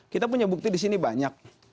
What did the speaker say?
kita punya bukti di sini banyak